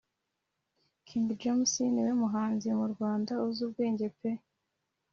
King James niwe muhanzi mu Rwanda uzi ubwenge pe